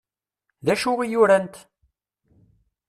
D acu i urant?